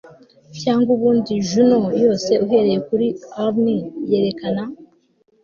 Cyangwa ubundi Juno yose uhereye kuri urn yerekana